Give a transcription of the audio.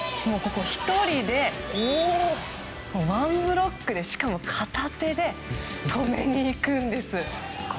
１人で、ワンブロックでしかも片手で止めに行くんです。